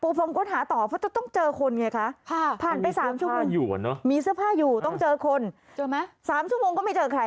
ปรบภองค้นหาต่อเพราะต้องเจอคนไงค่ะ